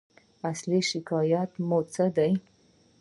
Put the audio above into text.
اصلي شکایت مو څه دی؟